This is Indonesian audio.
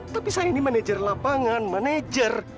tapi saya ini manajer lapangan manajer